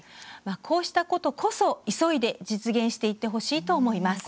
こうしたことこそ、急いで実現していってほしいと思います。